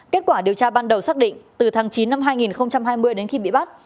kết quả điều tra ban đầu xác định từ tháng chín năm hai nghìn hai mươi đến khi bị bắt